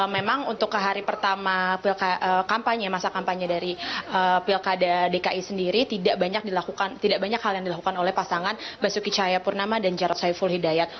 memang untuk ke hari pertama kampanye masa kampanye dari pilkada dki sendiri tidak banyak hal yang dilakukan oleh pasangan basuki cahayapurnama dan jarod saiful hidayat